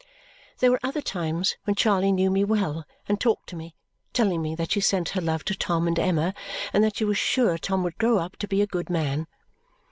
There were other times when Charley knew me well and talked to me, telling me that she sent her love to Tom and Emma and that she was sure Tom would grow up to be a good man.